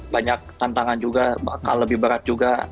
banyak tantangan juga bakal lebih berat juga